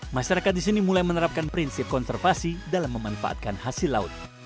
masyarakat di sini mulai menerapkan prinsip konservasi dalam memanfaatkan hasil laut